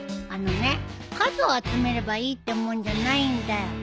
あのね数を集めればいいってもんじゃないんだよ。